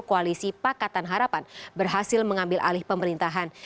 koalisi pakatan harapan berhasil mengambil alih pemerintahan